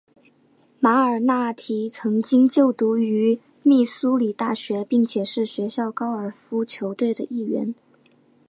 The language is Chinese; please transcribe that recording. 马尔纳提曾经就读于密苏里大学并且是学校高尔夫球队的一员。